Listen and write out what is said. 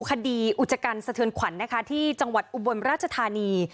คดีอุจจกรรมสะเทือนขวัญนะคะที่จังหวัดอุบลราชธานี